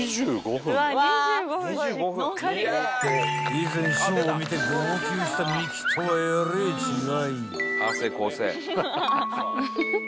［以前ショーを見て号泣したミキとはえれえ違い］